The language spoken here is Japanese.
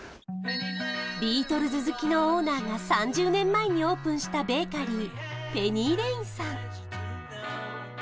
ビートルズ好きのオーナーが３０年前にオープンしたベーカリーペニーレインさん